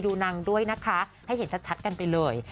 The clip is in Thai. ดูนางด้วยนะคะให้เห็นชัดกันไปเลย